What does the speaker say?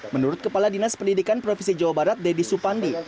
menurut kepala dinas pendidikan provinsi jawa barat deddy supandi